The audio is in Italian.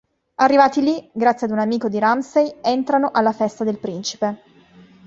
Arrivati lì, grazie ad un amico di Ramsey, entrano alla festa del principe.